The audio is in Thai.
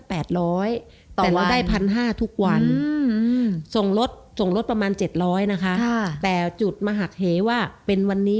แต่เราได้๑๕๐๐ทุกวันส่งรถส่งรถประมาณ๗๐๐นะคะแต่จุดมาหักเหว่าเป็นวันนี้